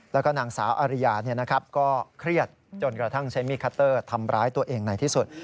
แล้วก็นางสาวอาริยาก็เครียดจนกระทั่งใช้มีดคัตเตอร์ทำร้ายตัวเองในที่สุด